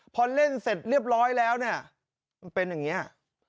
พอเล่นเสร็จเรียบร้อยแล้วเนี่ยมันเป็นอย่างนี้